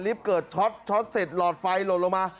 เกิดช็อตช็อตเสร็จหลอดไฟหล่นลงมา